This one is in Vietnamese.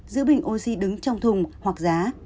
giữ bình oxy đứng trong thùng hoặc giá